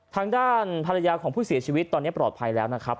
ทางด้านภรรยาของผู้เสียชีวิตตอนนี้ปลอดภัยแล้วนะครับ